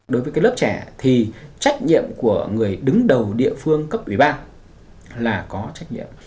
đối với cái lớp trẻ thì trách nhiệm của người đứng đầu địa phương cấp ủy ban là có trách nhiệm